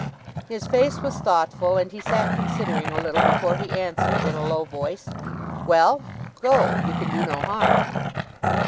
His face was thoughtful, and he sat considering a little before he answered, in a low voice, 'Well! Go. You can do no harm.